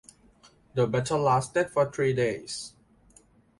The battle lasted for three days.